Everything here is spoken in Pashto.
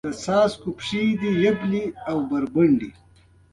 د څاڅکو پښې دي یبلې بربنډې